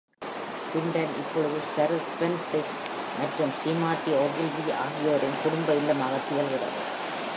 விண்டன் இப்பொழுது sir Francis மற்றும் சீமாட்டி ஓகில்வி ஆகியோரின் குடும்ப இல்லமாகத் திகழ்கிறது.